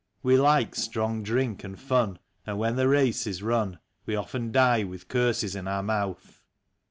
We like strong drink and fun; and when the race is run. We often die with curses in our mouth.